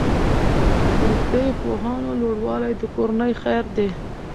د روغتیايي پوهاوي لوړوالی د کورنۍ خیر دی.